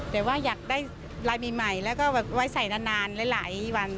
แบบว่าอยากได้ลายใหม่แล้วก็แบบไว้ใส่นานหลายวัน